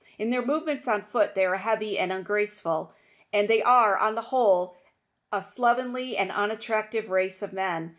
In their movements on foot they are heavy and ungraceful, and they are, on the whole, a slovenly and unattractive race of men.